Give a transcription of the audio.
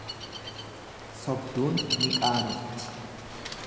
Sobduun ni qaanofti.